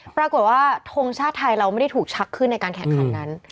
ปรากฏว่าทงชาติไทยเราไม่ได้ถูกชักขึ้นในการแข่งขันนั้น